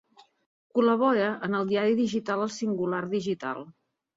Col·labora en el diari digital El Singular Digital.